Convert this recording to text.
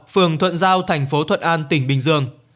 phường thuận giao thành phố thuận an tỉnh bình dương